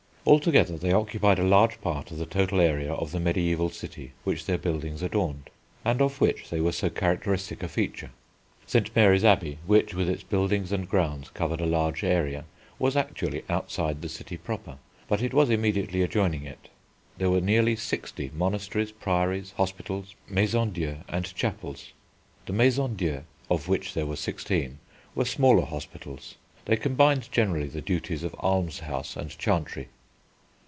Altogether they occupied a large part of the total area of the mediæval city which their buildings adorned, and of which they were so characteristic a feature: St. Mary's Abbey, which with its buildings and grounds covered a large area, was actually outside the city proper, but it was immediately adjoining it. There were nearly sixty monasteries, priories, hospitals, maisons dieu, and chapels. The maisons dieu, of which there were sixteen, were smaller hospitals. They combined generally the duties of almshouse and chantry.